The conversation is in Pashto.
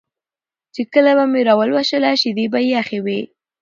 چې کله به مې راولوشله شیدې به یې یخې وې